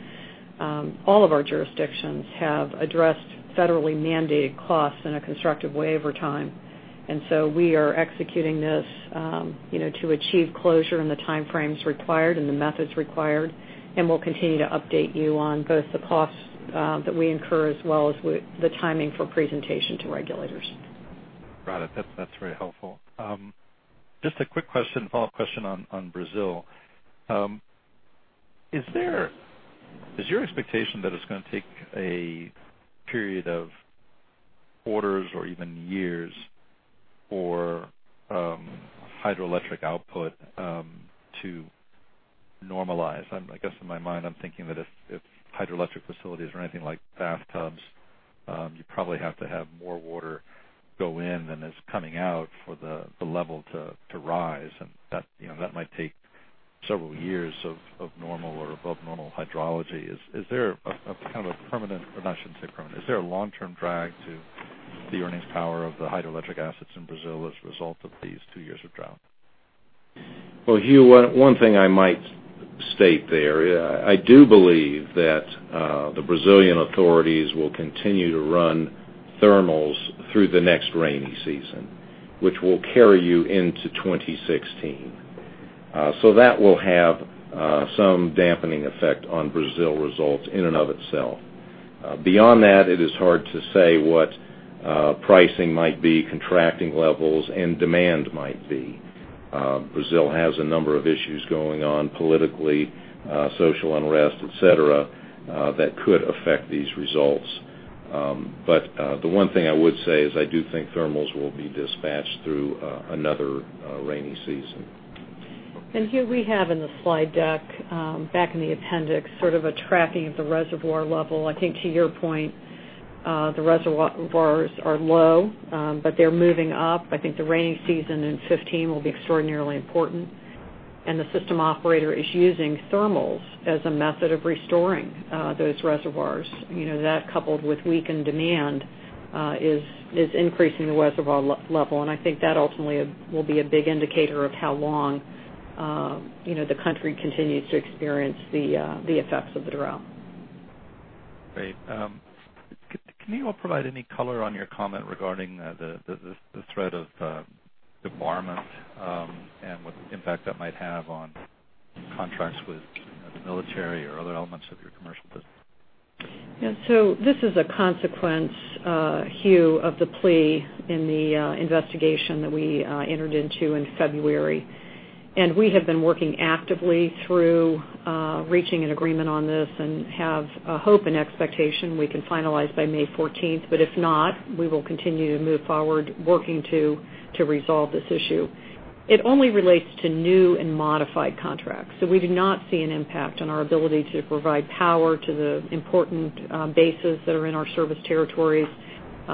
All of our jurisdictions have addressed federally mandated costs in a constructive way over time. So we are executing this to achieve closure in the time frames required and the methods required. We'll continue to update you on both the costs that we incur as well as the timing for presentation to regulators. Got it. That's very helpful. Just a quick question, follow-up question on Brazil. Is your expectation that it's going to take a period of quarters or even years for hydroelectric output to normalize? I guess in my mind, I'm thinking that if hydroelectric facilities are anything like bathtubs, you probably have to have more water go in than is coming out for the level to rise, and that might take several years of normal or above normal hydrology. Is there a kind of a permanent, or I shouldn't say permanent, is there a long-term drag to the earnings power of the hydroelectric assets in Brazil as a result of these two years of drought? Well, Hugh, one thing I might state there, I do believe that the Brazilian authorities will continue to run thermals through the next rainy season, which will carry you into 2016. That will have some dampening effect on Brazil results in and of itself. Beyond that, it is hard to say what pricing might be, contracting levels, and demand might be. Brazil has a number of issues going on politically, social unrest, et cetera, that could affect these results. The one thing I would say is I do think thermals will be dispatched through another rainy season. Hugh, we have in the slide deck, back in the appendix, sort of a tracking of the reservoir level. I think to your point, the reservoirs are low, but they're moving up. I think the rainy season in 2015 will be extraordinarily important, and the system operator is using thermals as a method of restoring those reservoirs. That, coupled with weakened demand, is increasing the reservoir level, and I think that ultimately will be a big indicator of how long the country continues to experience the effects of the drought. Great. Can you all provide any color on your comment regarding the threat of debarment and what impact that might have on contracts with the military or other elements of your commercial business? Yeah. This is a consequence, Hugh, of the plea in the investigation that we entered into in February. We have been working actively through reaching an agreement on this and have a hope and expectation we can finalize by May 14th. If not, we will continue to move forward, working to resolve this issue. It only relates to new and modified contracts, so we do not see an impact on our ability to provide power to the important bases that are in our service territories.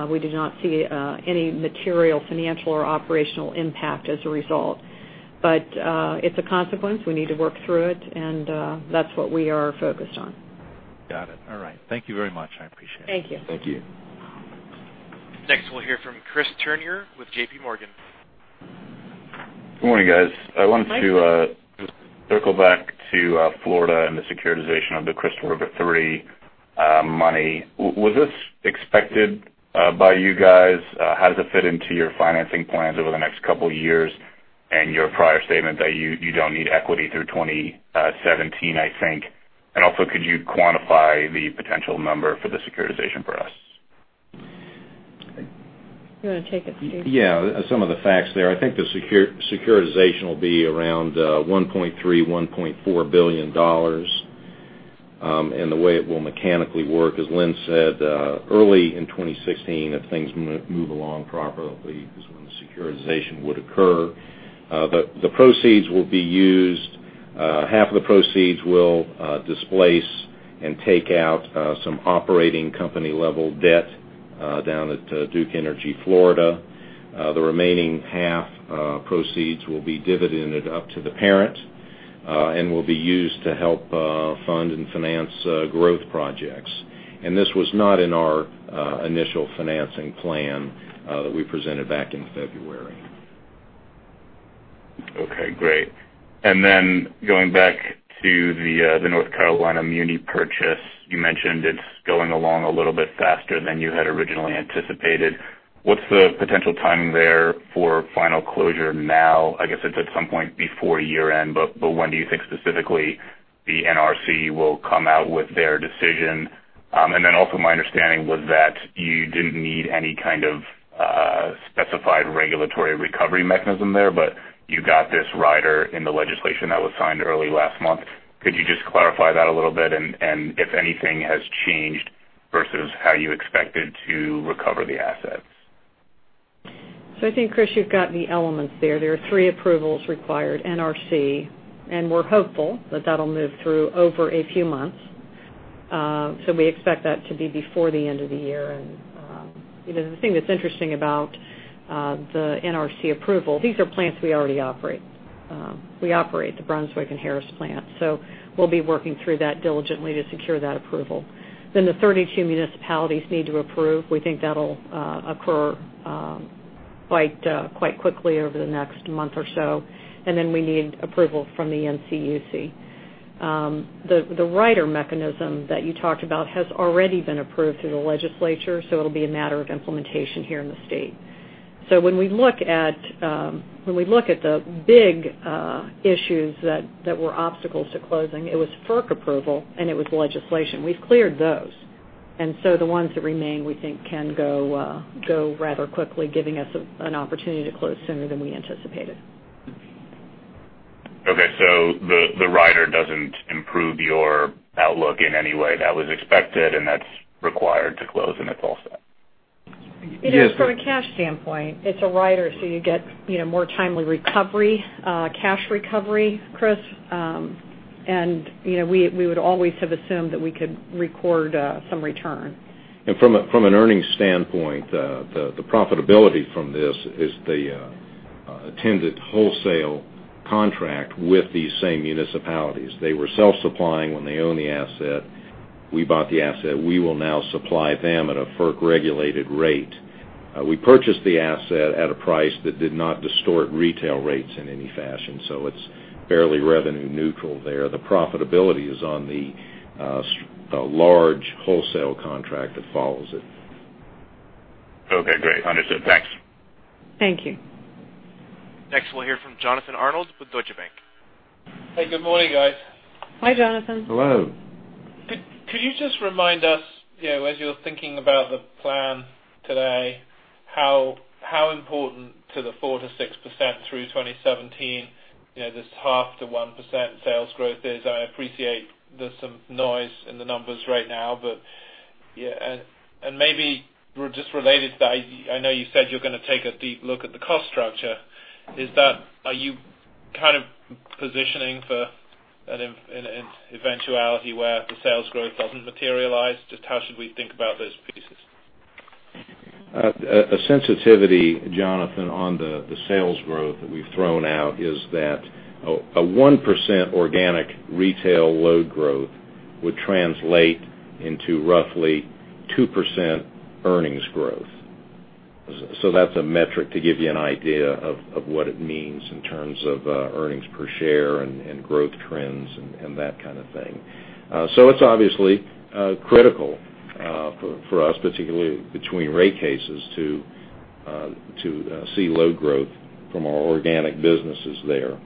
We do not see any material financial or operational impact as a result. It's a consequence. We need to work through it, and that's what we are focused on. Got it. All right. Thank you very much. I appreciate it. Thank you. Thank you. Next, we'll hear from Christopher Turnure with JPMorgan. Good morning, guys. I wanted to. Mike? Just circle back to Florida and the securitization of the Crystal River 3 money. Was this expected by you guys? How does it fit into your financing plans over the next couple of years and your prior statement that you don't need equity through 2017, I think? Also, could you quantify the potential number for the securitization for us? You want to take it, Steve? Yeah. Some of the facts there. I think the securitization will be around $1.3 billion, $1.4 billion. The way it will mechanically work, as Lynn said, early in 2016, if things move along properly, is when the securitization would occur. The proceeds will be used, half of the proceeds will displace and take out some operating company-level debt down at Duke Energy Florida. The remaining half proceeds will be dividended up to the parent and will be used to help fund and finance growth projects. This was not in our initial financing plan that we presented back in February. Okay, great. Then going back to the North Carolina muni purchase, you mentioned it's going along a little bit faster than you had originally anticipated. What's the potential timing there for final closure now? I guess it's at some point before year-end, but when do you think specifically the NRC will come out with their decision? Then also my understanding was that you didn't need any kind of specified regulatory recovery mechanism there, but you got this rider in the legislation that was signed early last month. Could you just clarify that a little bit and if anything has changed versus how you expected to recover the assets? I think, Chris, you've got the elements there. There are three approvals required. NRC, and we're hopeful that that'll move through over a few months. We expect that to be before the end of the year. The thing that's interesting about the NRC approval, these are plants we already operate. We operate the Brunswick and Harris plant, so we'll be working through that diligently to secure that approval. The 32 municipalities need to approve. We think that'll occur quite quickly over the next month or so, and then we need approval from the NCUC. The rider mechanism that you talked about has already been approved through the legislature, so it'll be a matter of implementation here in the state. When we look at the big issues that were obstacles to closing, it was FERC approval and it was legislation. We've cleared those. The ones that remain, we think can go rather quickly, giving us an opportunity to close sooner than we anticipated. Okay. The rider doesn't improve your outlook in any way. That was expected, and that's required to close, and it's all set. From a cash standpoint, it's a rider so you get more timely recovery, cash recovery, Chris. We would always have assumed that we could record some return. From an earnings standpoint, the profitability from this is the attended wholesale contract with these same municipalities. They were self-supplying when they own the asset. We bought the asset. We will now supply them at a FERC-regulated rate. We purchased the asset at a price that did not distort retail rates in any fashion, so it's fairly revenue neutral there. The profitability is on the large wholesale contract that follows it. Okay, great. Understood. Thanks. Thank you. Next, we'll hear from Jonathan Arnold with Deutsche Bank. Hey, good morning, guys. Hi, Jonathan. Hello. Could you just remind us, as you're thinking about the plan today, how important to the 4%-6% through 2017, this 0.5%-1% sales growth is? I appreciate there's some noise in the numbers right now, but yeah. Maybe just related to that, I know you said you're going to take a deep look at the cost structure. Are you kind of positioning for an eventuality where the sales growth doesn't materialize? Just how should we think about those pieces? A sensitivity, Jonathan, on the sales growth that we've thrown out is that a 1% organic retail load growth would translate into roughly 2% earnings growth. That's a metric to give you an idea of what it means in terms of earnings per share and growth trends and that kind of thing. It's obviously critical for us, particularly between rate cases, to see load growth from our organic businesses there.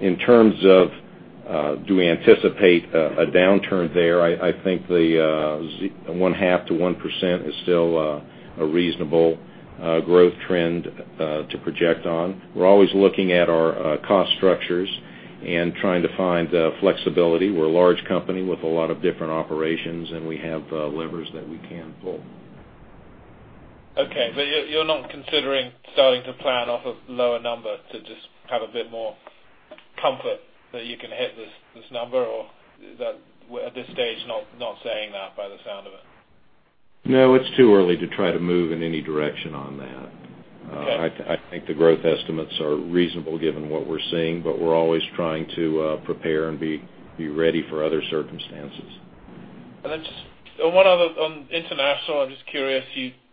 In terms of do we anticipate a downturn there, I think the 0.5%-1% is still a reasonable growth trend to project on. We're always looking at our cost structures and trying to find flexibility. We're a large company with a lot of different operations, and we have levers that we can pull. Okay. You're not considering starting to plan off a lower number to just have a bit more comfort that you can hit this number, or at this stage, not saying that by the sound of it? No, it's too early to try to move in any direction on that. Okay. I think the growth estimates are reasonable given what we're seeing, but we're always trying to prepare and be ready for other circumstances. Just on one other, on international, I'm just curious,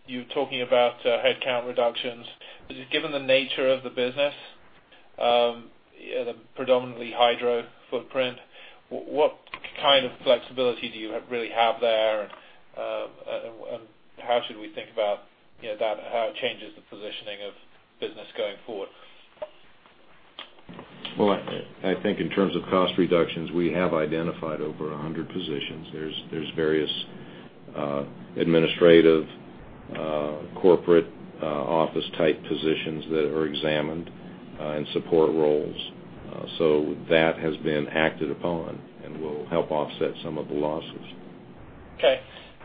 you talking about headcount reductions. Just given the nature of the business, the predominantly hydro footprint, what kind of flexibility do you really have there? How should we think about how it changes the positioning of business going forward? Well, I think in terms of cost reductions, we have identified over 100 positions. There's various administrative, corporate office-type positions that are examined and support roles. That has been acted upon and will help offset some of the losses. Okay.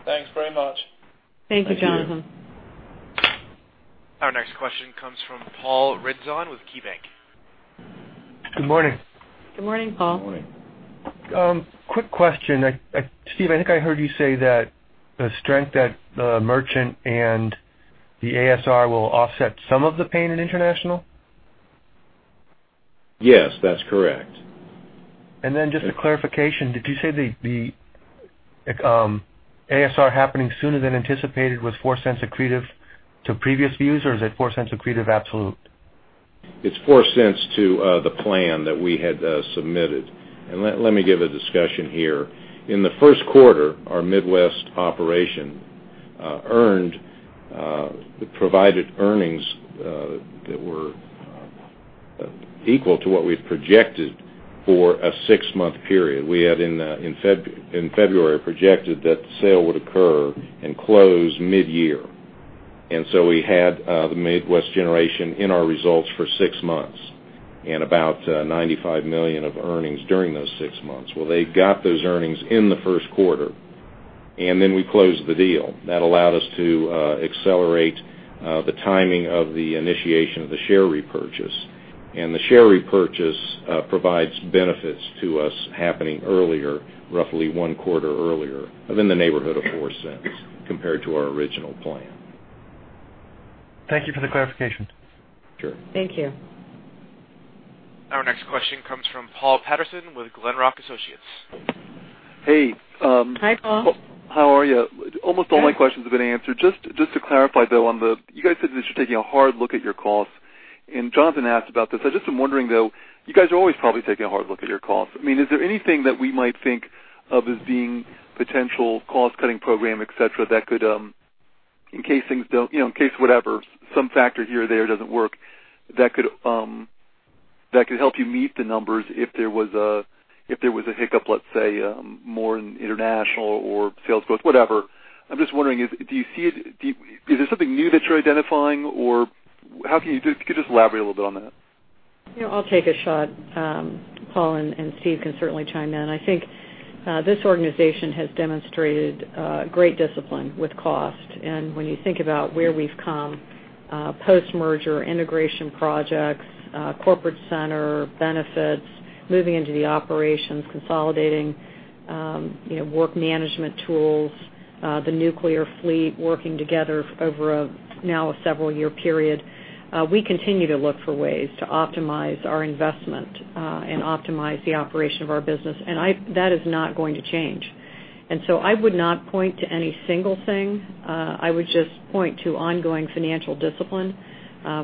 Thanks very much. Thank you, Jonathan. Our next question comes from Paul Ridzon with KeyBanc. Good morning. Good morning, Paul. Good morning. Quick question. Steve, I think I heard you say that the strength at the merchant and the ASR will offset some of the pain in international? Yes, that's correct. Just a clarification. Did you say the ASR happening sooner than anticipated was $0.04 accretive to previous views, or is it $0.04 accretive absolute? It's $0.04 to the plan that we had submitted. Let me give a discussion here. In the first quarter, our Midwest operation earned the provided earnings that were equal to what we've projected for a six-month period. We had in February projected that the sale would occur and close mid-year. So we had the Midwest generation in our results for six months and about $95 million of earnings during those six months. Well, they got those earnings in the first quarter, then we closed the deal. That allowed us to accelerate the timing of the initiation of the share repurchase. The share repurchase provides benefits to us happening earlier, roughly one quarter earlier, in the neighborhood of $0.04 compared to our original plan. Thank you for the clarification. Sure. Thank you. Our next question comes from Paul Patterson with Glenrock Associates. Hey. Hi, Paul. How are you? Good. Almost all my questions have been answered. Just to clarify, though, you guys said that you're taking a hard look at your costs, and Jonathan asked about this. I just am wondering, though, you guys are always probably taking a hard look at your costs. Is there anything that we might think of as being potential cost-cutting program, et cetera, in case whatever, some factor here or there doesn't work, that could help you meet the numbers if there was a hiccup, let's say, more international or sales growth, whatever. I'm just wondering, is there something new that you're identifying, or if you could just elaborate a little bit on that? Yeah, I'll take a shot, Paul, and Steve can certainly chime in. I think this organization has demonstrated great discipline with cost. When you think about where we've come, post-merger, integration projects, corporate center benefits, moving into the operations, consolidating work management tools, the nuclear fleet working together over now a several-year period. We continue to look for ways to optimize our investment and optimize the operation of our business, and that is not going to change. So I would not point to any single thing. I would just point to ongoing financial discipline.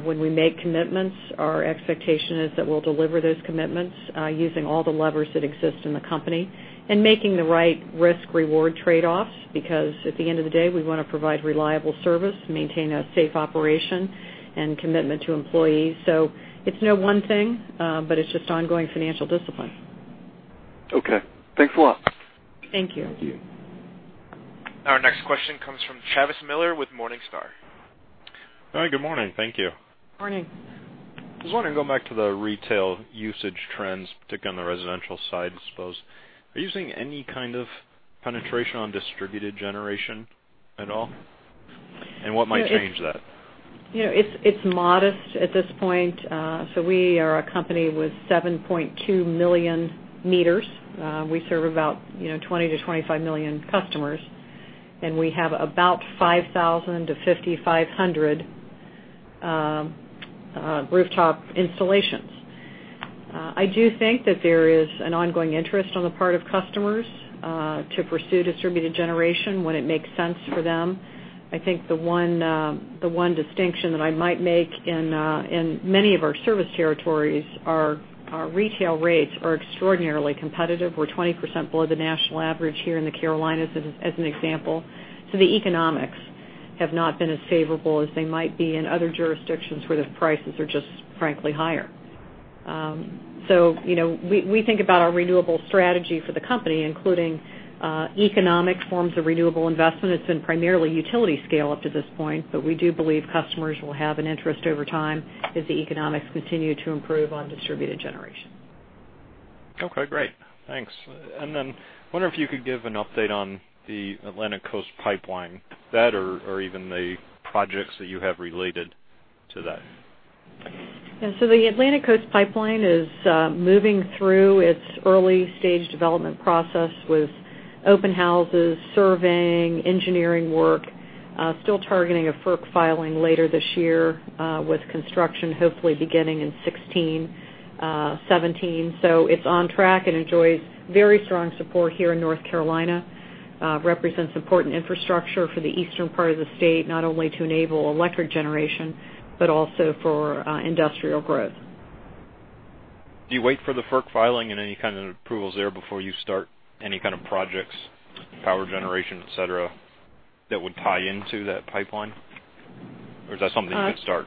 When we make commitments, our expectation is that we'll deliver those commitments using all the levers that exist in the company and making the right risk-reward trade-offs, because at the end of the day, we want to provide reliable service, maintain a safe operation, and commitment to employees. It's no one thing, but it's just ongoing financial discipline. Okay. Thanks a lot. Thank you. Thank you. Our next question comes from Travis Miller with Morningstar. Hi, good morning. Thank you. Morning. Just wanted to go back to the retail usage trends, particularly on the residential side, I suppose. Are you seeing any kind of penetration on distributed generation at all, and what might change that? It's modest at this point. We are a company with 7.2 million meters. We serve about 20 to 25 million customers, and we have about 5,000 to 5,500 rooftop installations. I do think that there is an ongoing interest on the part of customers to pursue distributed generation when it makes sense for them. I think the one distinction that I might make in many of our service territories, our retail rates are extraordinarily competitive. We're 20% below the national average here in the Carolinas, as an example. The economics have not been as favorable as they might be in other jurisdictions where the prices are just frankly higher. We think about our renewable strategy for the company, including economic forms of renewable investment. It's been primarily utility scale up to this point, but we do believe customers will have an interest over time as the economics continue to improve on distributed generation. Okay, great. Thanks. I wonder if you could give an update on the Atlantic Coast Pipeline, that or even the projects that you have related to that. Yeah. The Atlantic Coast Pipeline is moving through its early-stage development process with open houses, surveying, engineering work, still targeting a FERC filing later this year, with construction hopefully beginning in 2016, 2017. It is on track and enjoys very strong support here in North Carolina. Represents important infrastructure for the eastern part of the state, not only to enable electric generation, but also for industrial growth. Do you wait for the FERC filing and any kind of approvals there before you start any kind of projects, power generation, et cetera, that would tie into that pipeline? Is that something you can start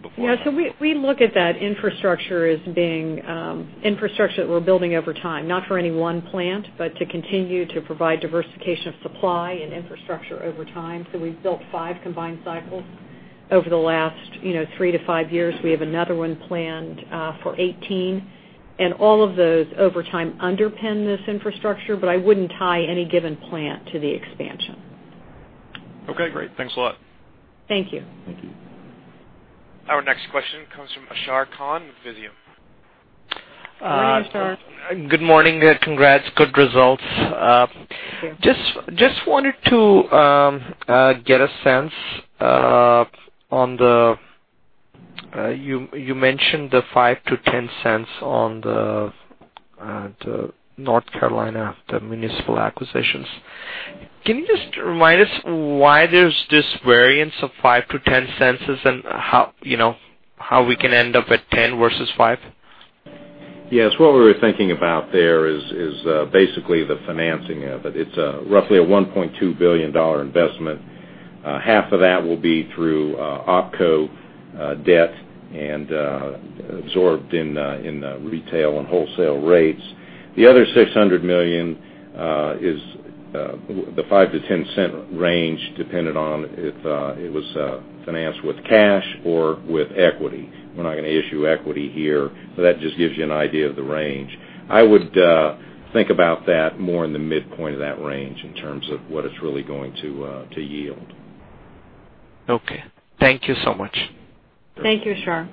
before? Yeah. We look at that infrastructure as being infrastructure that we are building over time, not for any one plant, but to continue to provide diversification of supply and infrastructure over time. We have built five combined cycles over the last three to five years. We have another one planned for 2018. All of those, over time, underpin this infrastructure. I wouldn't tie any given plant to the expansion. Okay, great. Thanks a lot. Thank you. Thank you. Our next question comes from Ashar Khan with Visium. Morning, Ashar. Good morning. Congrats. Good results. Thank you. Just wanted to get a sense on the You mentioned the $0.05-$0.10 on the North Carolina, the municipal acquisitions. Can you just remind us why there's this variance of $0.05-$0.10, how we can end up at $0.10 versus $0.05? Yes. What we were thinking about there is basically the financing of it. It's roughly a $1.2 billion investment. Half of that will be through OpCo debt and absorbed in the retail and wholesale rates. The other $600 million is the $0.05-$0.10 range, dependent on if it was financed with cash or with equity. We're not going to issue equity here, that just gives you an idea of the range. I would think about that more in the midpoint of that range in terms of what it's really going to yield. Okay. Thank you so much. Thank you, Ashar.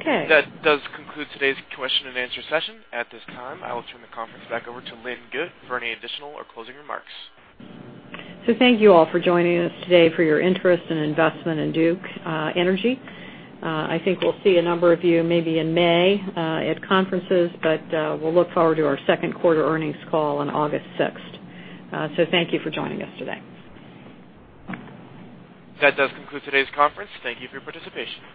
Okay. That does conclude today's question and answer session. At this time, I will turn the conference back over to Lynn Good for any additional or closing remarks. Thank you all for joining us today, for your interest and investment in Duke Energy. I think we'll see a number of you maybe in May at conferences, but we'll look forward to our second quarter earnings call on August 6th. Thank you for joining us today. That does conclude today's conference. Thank you for your participation.